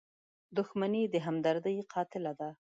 • دښمني د همدردۍ قاتله ده.